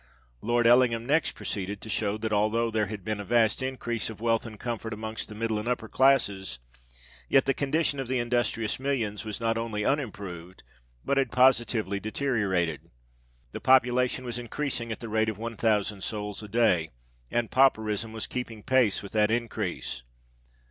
Lord Ellingham next proceeded to show that although there had been a vast increase of wealth and comfort amongst the middle and upper classes, yet the condition of the industrious millions was not only unimproved, but had positively deteriorated. The population was increasing at the rate of 1000 souls a day—and pauperism was keeping pace with that increase.